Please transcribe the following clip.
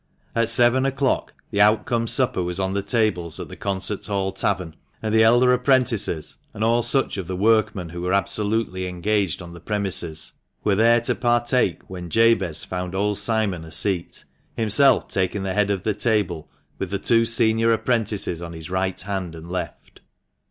At seven o'clock the outcome supper was on the tables at the " Concert Hall Tavern ;" and the elder apprentices, and all such of the workmen as were absolutely engaged on the premises, were there to partake when Jabez found old Simon a seat, himself taking the head of the table, with the two senior apprentices on his right hand and left.